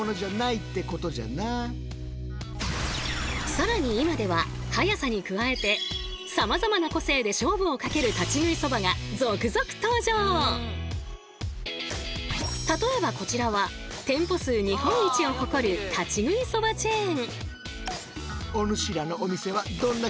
更に今では早さに加えて例えばこちらは店舗数日本一を誇る立ち食いそばチェーン。